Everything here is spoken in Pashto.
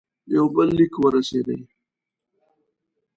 یو بل لیک ورسېدی.